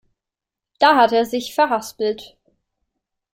Da hat er sich verhaspelt.